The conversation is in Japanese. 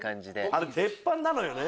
あれ鉄板なのよね。